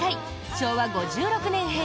昭和５６年編。